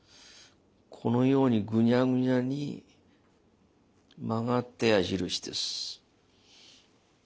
このようにグニャグニャに曲がった矢印です。